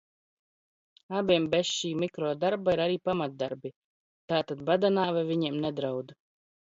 Abiem bez šī mikrodarba ir arī pamatdarbi, tātad bada nāve viņiem nedraud.